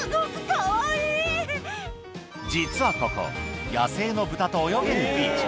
実はここ、野生のブタと泳げるビーチ。